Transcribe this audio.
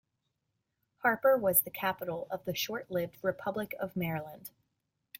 Harper was the capital of the short-lived Republic of Maryland.